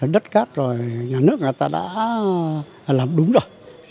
đất cát rồi nhà nước người ta đã làm đúng rồi